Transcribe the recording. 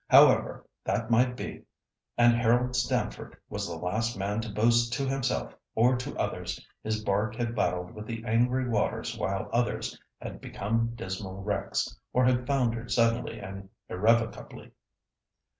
However that might be, and Harold Stamford was the last man to boast to himself or to others, his bark had battled with the angry waters while others had become dismal wrecks, or had foundered suddenly and irrevocably.